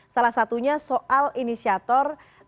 salah satunya soal inisiator